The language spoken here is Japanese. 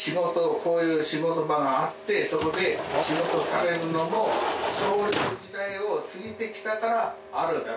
こういう仕事場があってそこで仕事されるのもそういう時代を過ぎてきたからあるんだろ